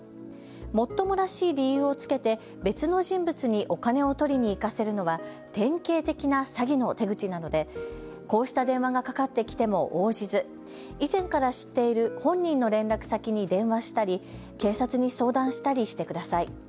もっともらしい理由をつけて別の人物にお金を取りに行かせるのは典型的な詐欺の手口なのでこうした電話がかかってきても応じず、以前から知っている本人の連絡先に電話したり警察に相談したりしてください。